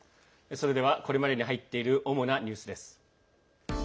それではこれまでに入っている主なニュースです。